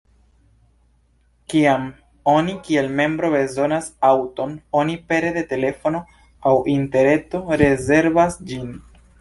Kiam oni kiel membro bezonas aŭton, oni pere de telefono aŭ interreto rezervas ĝin.